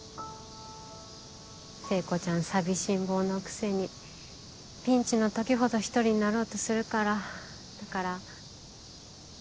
聖子ちゃん寂しんぼうのくせにピンチの時ほど一人になろうとするからだから。